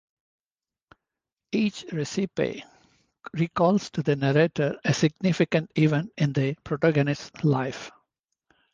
Each recipe recalls to the narrator a significant event in the protagonist's life.